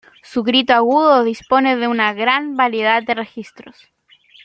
Su grito agudo dispone de una gran variedad de registros.